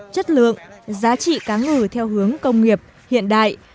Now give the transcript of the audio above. chất lượng giá trị cá ngừ theo hướng công nghiệp hiện đại